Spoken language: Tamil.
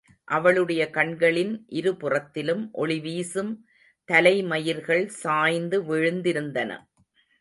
அவளுடைய கண்களின் இருபுறத்திலும் ஒளிவீசும் தலைமயிர்கள் சாய்ந்து விழுந்திருந்தன.